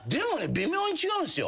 微妙に違うんすよ。